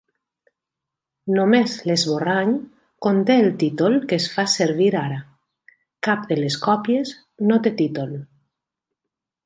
Només l'esborrany conté el títol que es fa servir ara; cap de les còpies no té títol.